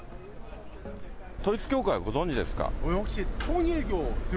統一教会ご存じですか。